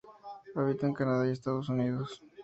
Habita en Canadá y Estados Unidos.